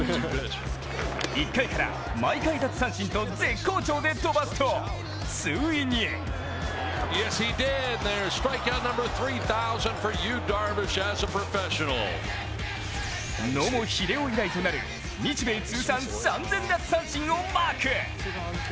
１回から毎回奪三振と絶好調で飛ばすと、ついに野茂英雄以来となる日米通算３０００奪三振をマーク。